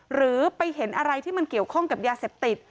หรือไปเห็นอะไรที่มันเกี่ยวข้องกับยาเสพติด